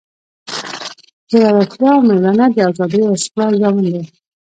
زړورتیا او میړانه د ازادۍ او استقلال ضامن دی.